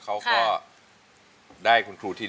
เขาก็ได้คุณครูที่๑